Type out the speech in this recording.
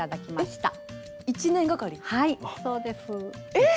えっ⁉